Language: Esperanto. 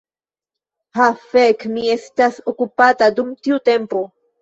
Ha fek' mi estas okupata dum tiu tempo